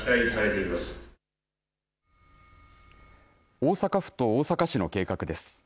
大阪府と大阪市の計画です。